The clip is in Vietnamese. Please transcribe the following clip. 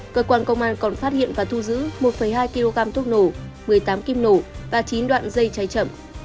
cơ quan công an còn phát hiện và thu giữ một hai kg thuốc nổ một mươi tám kim nổ và chín đoạn dây cháy chậm